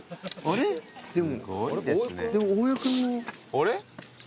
あれ？